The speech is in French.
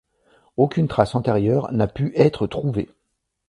Aucune trace antérieure n'a pu être trouvée.